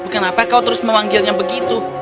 kenapa kau terus memanggilnya begitu